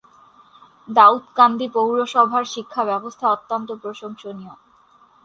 দাউদকান্দি পৌরসভার শিক্ষা ব্যবস্থা অত্যন্ত প্রশংসনীয়।